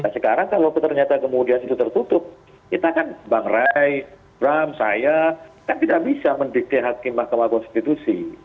sekarang kalau ternyata kemudian itu tertutup kita kan bang ray bram saya kan tidak bisa mendikti hakim mahkamah konstitusi